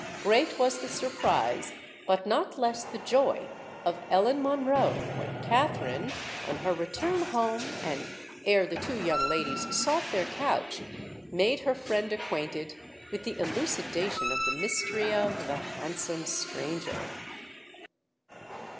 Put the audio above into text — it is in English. Great was the surprise, but not less the joy, of Ellen Monroe, when Katherine, on her return home and ere the two young ladies sought their couch, made her friend acquainted with the elucidation of the mystery of "the handsome stranger."